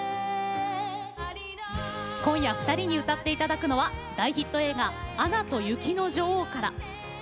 今夜２人に歌っていただくのは大ヒット映画「アナと雪の女王」から。